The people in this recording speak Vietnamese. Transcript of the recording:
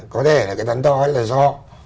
có thể là cái đắn đo là do